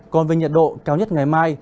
còn về nhật độ cao nhất ngày mai